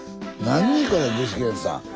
何これ具志堅さん。